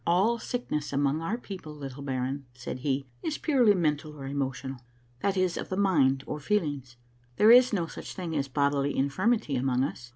" All sickness among our people, little baron," said he, " is purely mental or emotional ; that is, of the mind or feelings. There is no such thing as bodily infirmity among us.